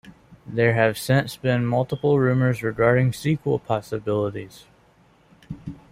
There have since been multiple rumors regarding sequel possibilities.